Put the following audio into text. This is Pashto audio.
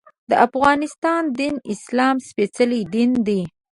د افغانستان دین د اسلام سپېڅلی دین دی.